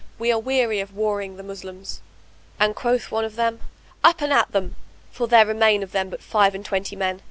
We are weary of warring the Moslems." And quoth one of them, "Up and at them, for there remain of them but five and twenty men!